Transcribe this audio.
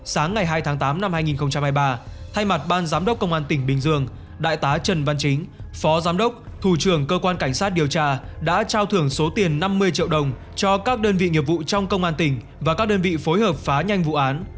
sáng ngày hai tháng tám năm hai nghìn hai mươi ba thay mặt ban giám đốc công an tỉnh bình dương đại tá trần văn chính phó giám đốc thủ trưởng cơ quan cảnh sát điều tra đã trao thưởng số tiền năm mươi triệu đồng cho các đơn vị nghiệp vụ trong công an tỉnh và các đơn vị phối hợp phá nhanh vụ án